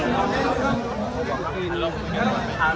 ออกไปออกไปออกไป